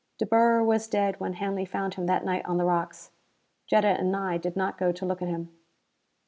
De Boer was dead when Hanley found him that night on the rocks. Jetta and I did not go to look at him....